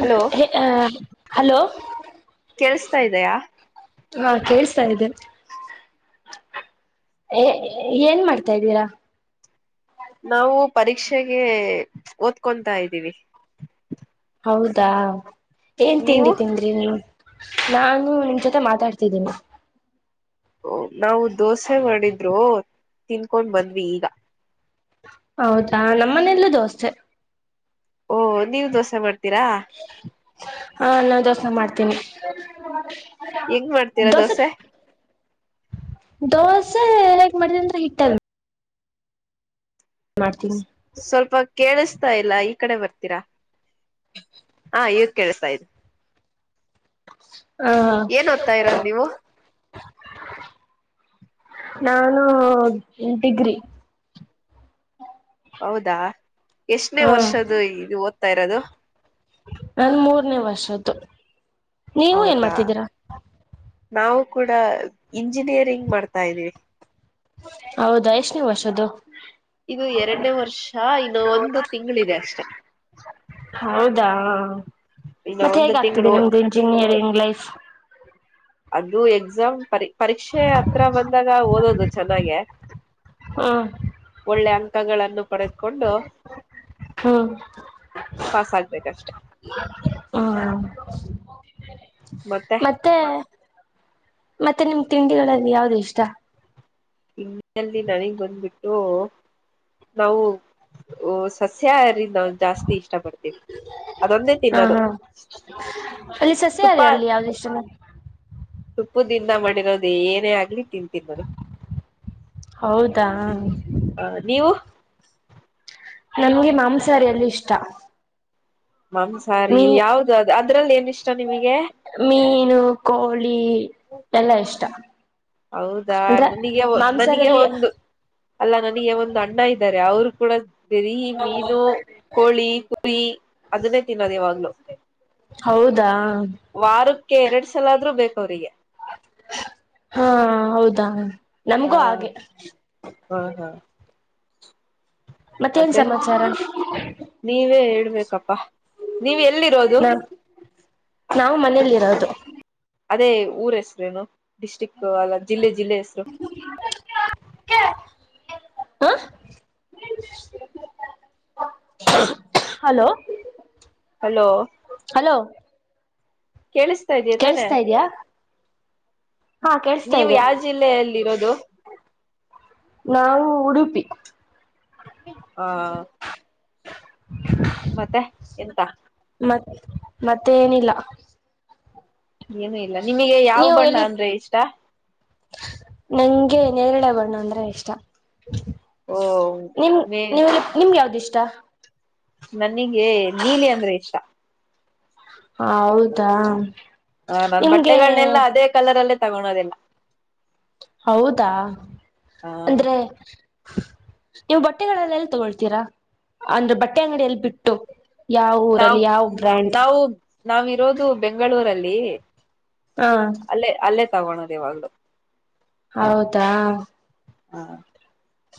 Hello hello ಕೇಳಸ್ತಾ ಇದೆಯಾ ಹಾ ಕೇಳ್ಸ್ತಾ ಇದ್ದೆ ಏನ್ ಮಾಡ್ತಾ ಇದ್ದೀರಾ ನಾವು ಪರೀಕ್ಷೆಗೆ ಓದ್ಕೊತಾ ಇದ್ದೀವಿ ಹೌದಾ ಏನ್ ನೀವು ತಿಂಡಿ ತೀಂದ್ರಿ ನೀವು ನಾನು ನಿಮ್ ಜೊತೆ ಮಾತಾಡ್ತಿದ್ದೀನಿ ನಾವು ದೋಸೆ ಮಾಡಿದ್ರು ತಿನ್ಕೊಂಡ್ ಬಂದ್ವಿ ಈಗ ಹೌದಾ ನಮ್ಮ ಮನೆಯಲ್ಲೂ ದೋಸ್ ಓಹ ನೀವ್ ದೋಸೆ ಮಾಡ್ತೀರಾ ಹಾ ನಾ ದೋಸೆ ಮಾಡ್ತೀನಿ ಹೆಂಗ್ ಮಾಡ್ತೀರಾ ದೋಸೆ ದೋಸೆ ಹೇಗೆ ಮಾಡೋದು ಅಂದ್ರೆ ಹಿಟ್ಟಲ್ಲಿ ಮಾಡ್ತಿನಿ ಸ್ವಲ್ಪ ಕೇಳಿಸ್ತ ಇಲ್ಲ ಈ ಕಡೆ ಬರ್ತೀರಾ ಹ ಈವಗ್ ಕೇಳಿಸತಾ ಇದೆ ಹ ಏನ್ ಓದ್ತ ಇರೋದ್ ನೀವು ನಾನು ಡಿಗ್ರಿ ಹೌದಾ ಎಷ್ಟನೇ ಹ ವರ್ಷ್ದ ಇದು ಓದ್ತಾ ಇರೋದು ನನ್ ಮೂರನೇ ವರ್ಷದ್ದು ನೀವು ಏನ್ ಹೌದಾ ಮಾಡ್ತಿದ್ದೀರಾ ನಾವು ಕೂಡ ಇಂಜಿನಿಯರಿಂಗ್ ಮಾಡ್ತಾ ಇದ್ದೀವಿ ಹೌದಾ ಎಷ್ಟ ನೆ ವರ್ಷದು ಇದು ಎರಡನೇ ವರ್ಷ ಇನ್ನು ಒಂದು ತಿಂಗಳಿದೆ ಅಷ್ಟೆ ಹೌದಾ ಇನ್ನು ಮತ್ತೆ ಒಂದು ಹೇಗಾಗಗ್ತಿದೆ ತಿಂಗಳು ನಿಮ್ದು ಇಂಜಿನಿಯರಿಂಗ್ ಲೈಫ್ ಅದು ಎಕ್ಸಾಮ್ ಪರಿ ಪರೀಕ್ಷೆ ಹತ್ರ ಬಂದಾಗ ಓದೋದು ಚೆನ್ನಾಗೆ ಹಾ ಒಳ್ಳೆ ಅಂಕಗಳನ್ನು ಪಡೆದುಕೊಂಡು ಹ್ಮ ಹ್ಮ ಮತ್ತೆ ಮತ್ತೆ ಮತ್ತೆ ನಿಮ್ ತಿಂಡಿಗಳಲ್ಲಿ ಯಾವ್ದು ಇಷ್ಟ ತಿಂಡಿಗಳಲ್ಲಿ ನನಗ್ ಬಂದ್ಬಿಟ್ಟು ನಾವು ಸಸ್ಯಹರಿ ನಾವು ಜಾಸ್ತಿ ಇಷ್ಟ ಪಡ್ತೇವಿ ಅದೊಂದೇ ಹಾ ತಿನ್ನೋದು ಹಾ ತುಪ್ಪ ಎಷ [unintelligible] ತುಪ್ಪು ದಿಂದ ಮಾಡಿರೋದು ಏನೇ ಆಗ್ಲಿ ತಿನ್ತಿನಿ ನಾನು ಹೌದಾ ಹ ನೀವು ನಮಗೆ ಮಾಂಸಾಹಾರಿ ಅಲ್ಲಿ ಇಷ್ಟ ಮಾಂಸಾರಿ ಮೀ ಯಾವ್ದ ಅದು ಅದ್ರಲ್ಲಿ ಏನ್ ಇಷ್ಟ ನಿಮಗೆ ಮೀನು ಕೋಳಿ ಎಲ್ಲಾ ಇಷ್ಟ ಹೌದಾ ಅಂದ್ರೆ ಮಾಂಸಾರಲ್ಲಿ ಅಲ್ಲಾ ನನಗೆ ಒಂದು ಅಣ್ಣ ಇದ್ದಾರೆ ಅವರು ಕೂಡ ದರ ಮೀನು ಕೋಳಿ ಪೀ ಅದನ್ನೇ ತಿನ್ನೋದು ಯಾವಾಗ್ಲೂ ಹೌದಾ ವಾರಕ್ಕೆ ಎರಡ ಸಲ ಆದ್ರೂ ಬೇಕ ಅವ್ರರಿಗೆ ಹಾ ಹೌದಾ ಹ ನಮ್ಗೂ ಹಾಗೆ ಹ ಹಾ ಮತ್ತೆ ಏನ್ ಸಮಾಚಾರ ನೀವೇ ಹೇಳ್ಬೇಕಪ್ಪಾ ನೀವ್ ಎಲ್ಲಿರೋದು ನಾ ನಾವು ಮನೇಲಿ ಇರೋದು ಅದೇ ಊರು ಹೆಸರೇನು ಡಿಸ್ಟ್ರಿಕ್ಟ್ ಅಲ್ಲ ಜಿಲ್ಲೆ ಜಿಲ್ಲೆ ಹೆಸರೇನು ಹ ಹ [unintelligible] ಹಲೋ ಹಲೋ [unintelligible] ಹಲೋ [unintelligible] ಕೇಳಿಸ್ತಾ ಇದ ತಾನೇ ಕೇಳಿಸ್ತಾ ಇದ್ಯಾ ಹಾ ಕೇಳಿಸ್ತಾ ನೀವು ಇದೆ ಯಾವ ಜಿಲ್ಲೆಯಲ್ಲಿ ಇರುವುದು ನಾವು ಉಡುಪಿ ಹ ಮತ್ತೆ ಎಂತ ಮತ್ ಮತ್ತೆ ಏನು ಇಲ್ಲ ಏನು ಇಲ್ಲ ನಿಮಗೆ ಯಾವ ಬಣ್ಣ ಅಂದ್ರೆ ಇಷ್ಟ ನನಗೆ ನೇರಳೆ ಬಣ್ಣ ಅಂದ್ರೆ ಇಷ್ಟ ಓ ನಿಮ್ ಮೇ ನೀವು ನಿಮ್ಗೆ ಯಾವ್ದ ಇಷ್ಟ ನನಗೆ ನೀಲಿ ಅಂದ್ರೆ ಇಷ್ಟ ಹೌದಾ ನಾನು ನಿಮ್ಗೆ ಬಟ್ಟೆಗಳನ್ನೆಲ್ಲ ಅದೇ ಕಲರ್ ಅಲ್ಲಿ ತಾನು ಅದೆಲ್ಲ ಹೌದಾ ಹ ಅಂದ್ರೆ ನೀವು ಬಟ್ಟೆಗಳಲ್ಲೆಲ್ಲಿ ತಗೊಳ್ತೀರಾ ಅಂದ್ರೆ ಬಟ್ಟೆ ಅಂಗಡಿಯಲ್ಲಿ ಬಿಟ್ಟು ಯಾವ ನಾವು ಊರಲ್ಲಿ ಯಾವ ಬ್ರ್ಯಾಂಡ್ ನಾವು ಇರುವುದು ಬೆಂಗಳೂರಿನಲ್ಲಿ ಹಾ ಅಲ್ಲೇ ಅಲ್ಲೇ ತಗೋಳೋದು ಇವಾಗ್ಲೂ ಹೌದಾ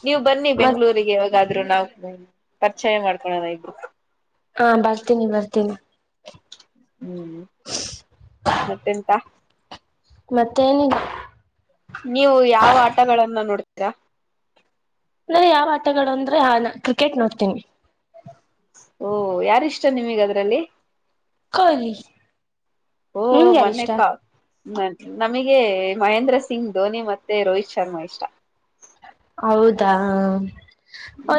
ನೀವು ಬನ್ನಿ ಮತ್ ಬೆಂಗಳೂರಿಗೆ ಯಾವಾಗಾದ್ರೂ ಹಾಗಾದ್ರೂ ನಾವವು ಪರಿಚಯ ಮಾಡ್ಕೊಳದ ಇದು ಹಾ ಬರ್ತೀನಿ ಬರ್ತೀನಿ ಹ್ಮ್ ಮತ್ತೆ ಎಂತ ಮತ್ತೆ ಏನಿಲ್ಲ ನೀವು ಯಾವ ಆಟಗಳನ್ನ ನೋಡ್ತೀರಾ ಅಂದ್ರೆ ಯಾವ ಆಟಗಳು ಅಂದ್ರೆ ಹಾ ಕ್ರಿಕೆಟ್ ನೋಡ್ತೀನಿ ಓಹ ಯಾರ ಇಷ್ಟ ನಿಮಗ ಅದ್ರಲ್ಲಿ ಕೊಹಿಲಿ ಓ ಮನ್ಯ ಕಾಲ್ ನನ್ ನಮಗೆ ಮಹೇಂದ್ರ ಸಿಂಗ್ ಧೋನಿ ಮತ್ತೆ ರೋಹಿತ್ ಶರ್ಮಾ ಇಷ್ಟ. ಹೌದಾ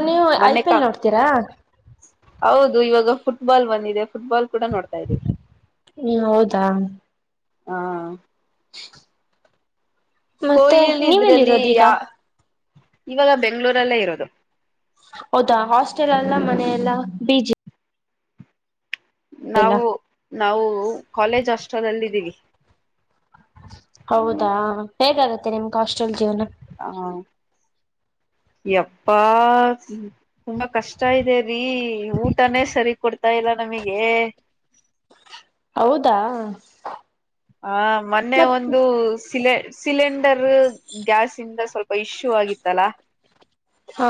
ನೀವು ಐ ಮೊನ್ನೆ ಪಿ ಎಲ್ ಕಪ್ ನೋಡ್ತೀರಾ. ಹೌದು ಇವಾಗ ಫುಟ್ಬಾಲ್ ಬಂದಿದೆ ಫುಟ್ಬಾಲ್ ಕೂಡ ನೋಡ್ತಾ ಇದೀವಿ. ಹ್ಮ ಹೌದಾ. ಹಾ ಮತ್ತೆ ಕೊಯಿಲ್ ಇದ್ರಲ್ಲಿ ಯ ನೀವೆಲ್ಲಿರೋದೀಗ ಇವಾಗ ಬೆಂಗ್ಗಳೂರಲ್ಲೇ ಇರೋದು. ಹೌದಾ ಹಾಸ್ಟೆಲ್ ಎಲ್ಲ ಮನೆಯ ಎಲ್ಲಾ ಬೀಜಿ. ಎಲ್ಲ ನಾವು ನಾವು ಕಾಲೇಜ್ ಹಾಷ್ಟಲ್ಲ ಇದ್ದೀವಿ. ಹೌದಾ ಹೇಗಾಗತ್ತೆ ನಿಮ್ಗೆ ಹಾಸ್ಟೆಲ್ ಜೀವನ. ಹಾ ಎಪ್ಪಾ.... ತುಂಬಾ ಕಷ್ಟ ಇದೆ ಊಟನೇ ಸರಿ ಕೊಡ್ತಾ ಇಲ್ಲ ನಮಗೆ. ಹೌದಾ ಆ ಮೊನ್ನೆ ಮತ್ ಒಂದು ಶಿಲೆ. ಸಿಲಿಂಡರ್ ಗ್ಯಾಸ್ ಇಂದ ಸ್ವಲ್ಪ ಇಶ್ಯೂ ಆಗಿತ್ತಲ್ಲಾ. ಹಾ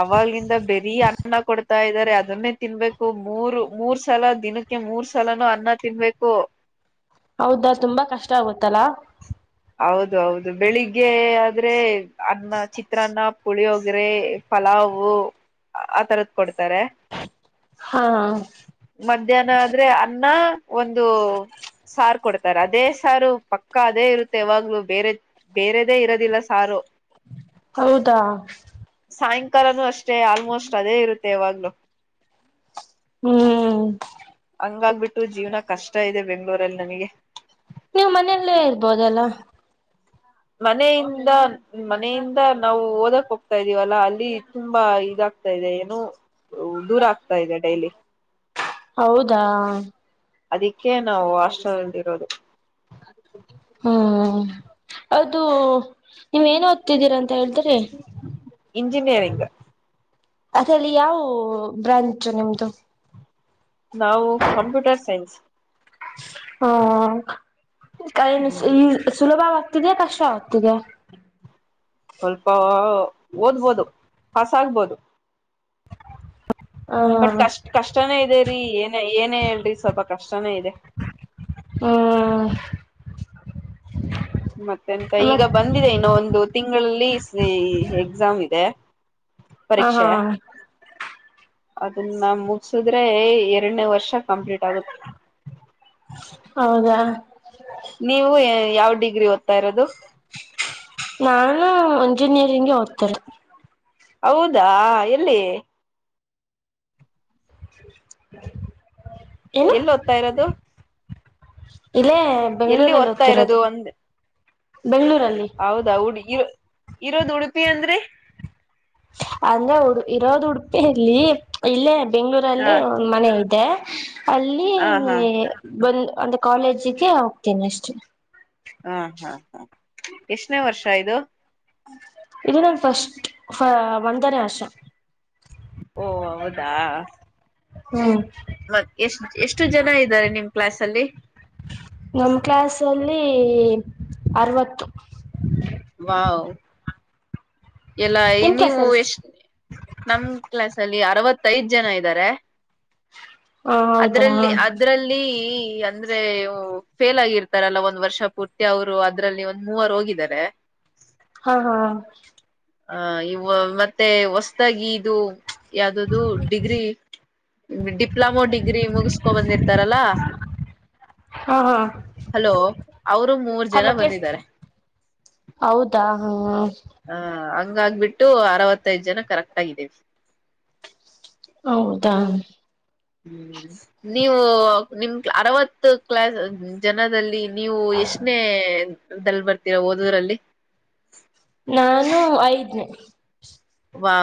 ಅವಾಗಿಂದ ಬರೀ ಅನ್ನ ಕೊಡ್ತಾ ಇದ್ದಾರೆ ಅದನ್ನೇ ತಿನ್ಬೇಕು ಮೂರ್ ಮೂರ್ ಸಲ ದಿನಕ್ಕೆ. ಅ ಮೂರ್ ಸಲನು ಅನ್ನ ತಿನ್ಬೇಕು. ಹೌದಾ ತುಂಬಾ ಕಷ್ಟ ಆಗುತ್ತಲಾ. ಹೌದು ಹೌದು ಬೆಳಿಗ್ಗೆ ಆದ್ರೆ ಅನ್ನ ಚಿತ್ರಾನ್ನ ಪುಳಿಯೋಗ್ರೆ. ಪಲಾವು ಆ ತರದ ಕೊಡ್ತಾರೆ. ಹಾ ಮಧ್ಯಾಹ್ನ ಆದ್ರೆ ಅನ್ನ ಒಂದು. ಸಾರು ಕೊಡ್ತಾರೆ ಅದೇ ಸಾರು ಪಕ್ಕ ಅದೇ ಇರುತ್ತೆ. ಯಾವಾಗ್ಲೂ ಬೇರೆ ಬೇರೆದೇ ಇರೋದಿಲ್ಲ ಸಾರು. ಹೌದಾ ಸಾಯಂಕಾಲನು ಅಷ್ಟೇ ಆಲ್ಮೋಸ್ಟ್ ಅದೇ ಇರುತ್ತೆ ಯಾವಾಗ್ಲೂ. ಹ್ಮ್ ಹಂಗಾಗ್ಬಿಟ್ಟು ಜೀವನ ಕಷ್ಟ ಇದೆ ಬೆಂಗ್ಗಳೂರಲ್ಲಿ ನನ್ಗೆ. ನೀವು ಮನೆಯಲ್ಲೇ ಇರ್ಬೋದಲ್ಲ. ಮನೆಯಿಂದ. ಮನೆಯಿಂದ ನಾವು ಓದಕ್ ಹೋಗ್ತಾ ಇದ್ದೀವಲ್ಲಾ ಅಲ್ಲಿ ತುಂಬಾ ಇದಾಗ್ತಾ ಇದೆ ಏನು. ದೂರ ಆಗ್ತಾ ಇದೆ ಡೈಲಿ. ಹೌದಾ [unintelligible] ಅದಕ್ಕೆ ನಾವು ಹಾಸ್ಟೇಲ್ ಇರೋದು. ಹ್ಮ್ ಅದು ನೀವ ಏನ್ ಓದ್ತಿದ್ದೀರಾ ಅಂತ ಹೇಳಿದ್ರೆ ಇಂಜಿನಿಯರಿಂಗ್ ಅದಲ್ಲಿ ಯಾವ ಬ್ರಾಂಚ್ ನಿಮ್ದು, ನಾವು ಕಂಪ್ಯೂಟರ್ ಸೈನ್ಸ್ ಹ ಕ ಈಸ್ ಹ್ಮ್ ಸುಲಭವಾಗ್ತಿದೆ ಕಷ್ಟವಾಗ್ತಿದೆ ಸ್ವಲ್ಪ ಓದ್ಬೋದು ಪಾಸಾಗಬಹುದು ಹ ಬಟ್ ಕಷ್ಟ ಕಷ್ಟನೇ ಇದೆ ರರಿ ಏನೇ ಏನೇ ಹೇಳ್ರಿ ಸ್ವಲ್ಪ ಕಷ್ಟನೇ ಇದೆ ಹ್ಮ ಮತ್ತೆಂತ ಈಗ ಬಂದಿದೆ ಇನ್ನ ಒಂದು ತಿಂಗಳಲ್ಲಿ ಸೇ ಎಕ್ಸಾಮ್ ಇದೆ ಹ ಹಾ ಪರೀಕ್ಷೆ ಅದನ್ನ ಮುಚ್ಸಿದ್ರೆ ಎರಡನೇ ವರ್ಷ ಕಂಪ್ಲೀಟ್ ಆಗುತ್ತೆ ಹೌದಾ ನೀವು ಯಾವ್ ಡಿಗ್ರಿ ಓದ್ತಾ ಇರೋದು ನಾನು ಇಂಜಿನಿಯರಿಂಗ್ಗೆ ಹೋಗ್ತೇನೆ ಹೌದಾ ಎಲ್ಲಿ [inaudible] ಎಲ್ಲಿ ಓದತಾ ಇರೋದು ಇಲ್ಲೇ ಎಲ್ಲಿ ಬೆಂಗಳೂರಲ್ಲಿ ಓದ್ತಾ ಓದ್ತಿರೋದು ಇರೋದು ಒಂದ ಬೆಂಗಳೂರಲ್ಲಿ ಹೌದಾ ಉಡು ಇರ ಇರೋದು ಉಡುಪಿ ಅಂದ್ರೆ ಅಂದ್ರೆ ಉಡು ಇರೋದು ಉಡುಪಿ ಇಲ್ಲಿ ಇಲ್ಲೇ ಹ ಬೆಂಗ್ಳೂರಲ್ಲಿ ಮನೆ ಇದೆ ಅಲ್ಲಿ ಆ ಹಾ ಬಂದ್ ಅಂದ ಕಾಲೇಜಿಗೆ ಹೋಗ್ತೇನೆ ಅಷ್ಟೇ ಹಾ ಹಾ ಹಾ ಎಷ್ಟನೇ ವರ್ಷ ಇದು ಇದು ನಂ ಫಸ್ಟ್ ಒಂದನೇ ಆಷ ಓ ಹೌದಾ ಹ್ಮ್ ಮತ್ತ ಎಷ್ಟ ಎಷ್ಟು ಜನ ಇದ್ದಾರೆ ನಿಮ್ ಕ್ಲಾಸ್ ಅಲ್ಲಿ ನಮ ಕ್ಲಾಸ್ ಅಲ್ಲಿ ಅರವತ್ತು ವಾವ್ ಎಲ್ಲ ನಿಮ್ ಕ್ಲಾಸ್ ನೀವು ಅಲ್ಲಿ ಎಷ್ಟ್ ನಮ ಕ್ಲಾಸ್ ಅಲ್ಲಿ ಅರವತ್ತೈದ್ ಜನ ಇದ್ದಾರೆ ಹ ಹೌದಾ ಅದ್ರಲ್ಲಿ ಅದ್ರಲ್ಲಿ ಅಂದ್ರೆ ಫೇಲ್ ಆಗಿರ್ತಾರಲ್ಲ ಒಂದ್ ವರ್ಷ ಪೂರ್ತಿ ಅವ್ರು ಅದ್ರಲ್ಲಿ ಒ ಮೂವರು ಹೋಗಿದ್ದಾರೆ ಹಾ ಹಾ ಆ ಇ ಮತ್ತೆ ಹೊಸದಾಗಿ ಇದು ಯಾವ್ದದು ಡಿಗ್ರಿ ಡಿಪ್ಲೊಮೋ ಡಿಗ್ರಿ ಮುಗಸ್ಕೊ ಬಂದಿರ್ತಾರಲ್ಲಾ ಹಾ ಹಾ ಹಲೋ ಅವರು ಮೂರ್ ಜನ ಹಲೋ ಕೇಳ್ ಬಂದಿದ್ದಾರೆ ಹೌದಾ ಹಾ ಹ ಹಂಗ ಆಗಬಿಟ್ಟು ಅರವತ್ತೈದ್ ಜನ ಕರೆಕ್ಟ್ ಆಗಿದ್ದೇವೆ ಹೌದಾ ಹ್ಮ್ ನೀವು ನಿಮ ಅರವತ್ತು ಕ್ಲಾಸ್ ಜನದಲ್ಲಿ ನೀವು ಎಷ್ಟನೇದಲ್ಲಿ ಬರ್ತೀರಾ ಓದದ್ರಲ್ಲಿ ನಾನು ಐದ್ನೇ ವಾ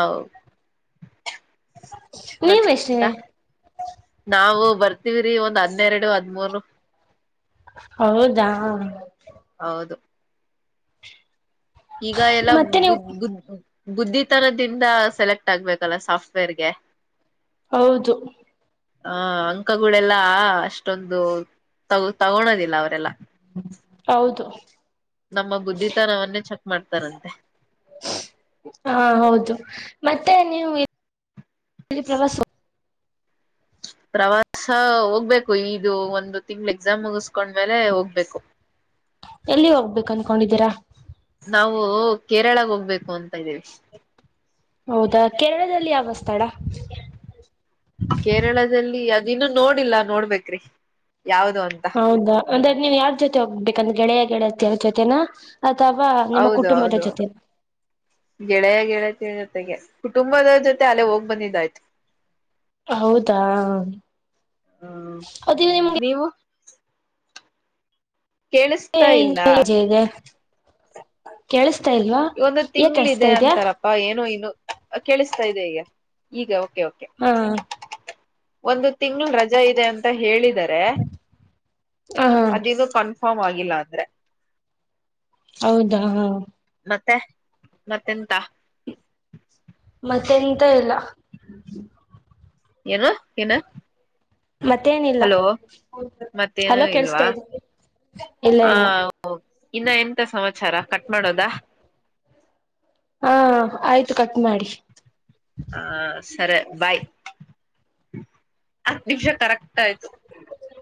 ನೀವ್ ಮತ್ತಂತ ಎಷ್ಟನೇ [inaudible] ನಾವು ಬರ್ತಿವ್ರಿ ಒಂದ್ ಹದನ್ನೆರಡು ಹದ್ಮೂರು ಹೌ ಜಾ ಹೌದು ಈಗ ಎಲ್ಲಾ ಮತ್ತೆ ನೀವು ಬಡ್ಬೂಡ್ ಬುದ್ದಿತನದಿಂದ ಸೆಲೆಕ್ಟ್ ಆಗ್ಬೇಕಲ್ಲ ಸಾಫ್ಟ್ವೇರ್ಗೆ ಹೌದು ಹ ಅಂಕಗಳೆಲ್ಲಾ ಅಷ್ಟೊಂದು ತಗೊ ತಗೋಳೋದಿಲ್ಲ ಅವರೆಲ್ಲಾ ಹೌದು ನಮ್ಮ ಬುದ್ಧಿತನವನ್ನೇ ಚೆಕ್ ಮಾಡ್ತಾರಂತೆ ಹಾ ಹೌದು ಮತ್ತೆ ನೀವು ಪ್ರವಾಸ ಪ್ರವಾಸ ಹೋಗ್ಬೇಕು ಇದು ಒಂದು ತಿಂಗಳ ಎಕ್ಸಾಮ್ ಮುಗಸ್ಕೊಂಡ್ಮೇಲೆ ಹೋಗ್ಬೇಕು. ಎಲ್ಲಿ ಹೋಗ್ಬೇಕು ಅನ್ಕೊಂಡಿದ್ದೀರಾ. ನಾವು ಕೇರಳಾಗ ಹೋಗ್ಬೇಕು ಅಂತ ಇದ್ದೀವಿ. ಹೌದಾ ಕೇರಳದಲ್ಲಿ ಯಾವ ಸ್ಥಳ. ಕೇರಳದಲ್ಲಿ ಅದು ಇನ್ನು ನೋಡಿಲ್ಲ ನೋಡ್ಬೇಕ್ರಿ ಯಾವ್ದ ಅಂತ. ಹೌದಾ ಅಂದ್ರೆ ನೀನ್ ಯಾರ್ ಜೊತೆ ಹೋಗ್ಬೇಕಂದ್ರ ಗೆಳೆಯ ಗೆಳೆಯತಿಯ ಜೊತೆೇನಾ. ಅಥವಾ. ನಿಮ್ಮ ಹೌದು ಕುಟುಂಬದ ಹೌದು. ಜೊತೆ ಗೆಳೆಯ ಗೆಳತಿಯರ ಜೊತೆಗೆ ಕುಟುಂಬದ ಜೊತೆ ಅಲ್ಲೇ ಹೋಗ್ ಬಂದಿದ್ದಾಯ್ತು. [inaudible] ಹೌದಾ ಹ್ಮ ಅದ ನಿಮ್ಗೆ ನೀವು ಕೇಳಿಸ್ತಾ ಇಲ್ಲ [unintelligible] ದೆ ಕೇಳಸ್ತಾ ಇಲ್ವಾ ಯ ಕೇಳಿಸ್ತಾ ಇದೆಯ. ಹಾ ಏನೋ ಇನು ಕೇಳಿಸ್ತಾ ಇದೆ ಈಗ ಈಗ ಓಕೆ ಓಕೆ. ಹಾ ಒಂದು ತಿಂಗಳು ರಜಾ ಇದೆ ಅಂತ ಹೇಳಿದರೆ ಹಾ ಅದ ಇದು ಕನ್ ಫಾರ್ಮ್ ಆಗಿಲ್ಲ ಅಂದ್ರೆ. ಹೌದಾ ಹ - ಮತ್ತೆ ಮತ್ತೆಂತ. ಮತ್ತೆ ಎಂತ ಇಲ್ಲ. [unintelligible] ಏನೋ ಏನು. ಮತ್ತೇನಿಲ್ಲ ಹಲೋ ಹಲೋ ಕೇಳಸ್ತಾ ಇದೆ. ಹ ಇನ್ನ ಎಂತ ಸಮಾಚಾರ ಕಟ್ ಮಾಡೋದ. ಹಾ ಆಯ್ತು ಕಟ್ ಮಾಡಿ ಹ ಸರಿ ಬಾಯ್ ಹತ್ತು ನಿಮಿಷ ಕರೆಕ್ಟ್ ಆಯ್ತು [inaudible]